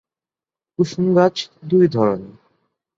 কুসুম গাছ দুই ধরনের।